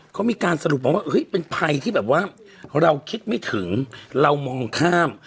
เขามีการสรุปมาว่าเฮ้ยเป็นภัยที่แบบว่าเราคิดไม่ถึงเรามองข้าม